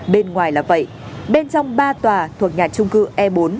bên ngoài là vậy bên trong ba tòa thuộc nhà trung cư e bốn